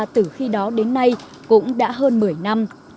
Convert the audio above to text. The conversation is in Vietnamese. từ khi đó đến nay cũng đã hơn một mươi năm